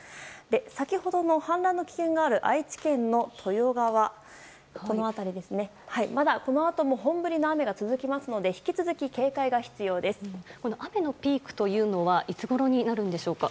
先ほどの氾濫の危険がある愛知県の豊川の辺りまだこのあとも本降りの雨が続きますので雨のピークというのはいつごろになるんでしょうか？